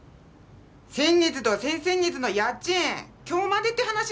先月と先々月の家賃今日までって話だったでしょ？